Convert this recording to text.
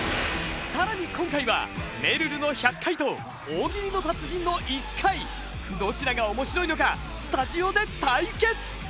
さらに今回はめるるの１００回と大喜利の達人の１回どちらが面白いのかスタジオで対決。